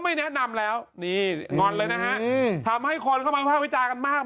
ไม่แนะนำแล้วนี่งอนเลยนะฮะทำให้คนเข้ามาภาพวิจารณ์กันมาก